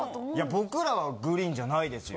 僕らはグリーンじゃないですよ。